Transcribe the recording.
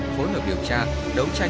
phối hợp điều tra đấu tranh